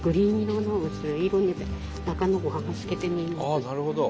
あっなるほど。